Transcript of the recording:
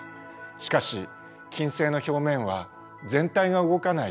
しかし金星の表面は全体が動かない１枚の硬い